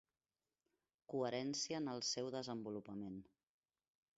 Coherència en el seu desenvolupament.